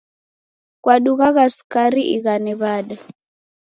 Kwadungagha sukari ighane w'ada?